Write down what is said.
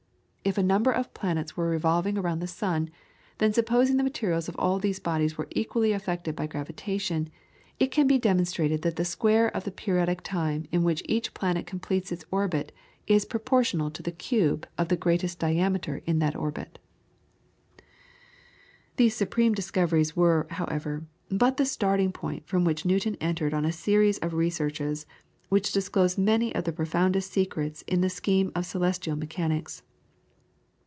If a number of planets were revolving around the sun, then supposing the materials of all these bodies were equally affected by gravitation, it can be demonstrated that the square of the periodic time in which each planet completes its orbit is proportional to the cube of the greatest diameter in that orbit. [PLATE: SIR ISAAC NEWTON'S ASTROLABE.] These superb discoveries were, however, but the starting point from which Newton entered on a series of researches, which disclosed many of the profoundest secrets in the scheme of celestial mechanics.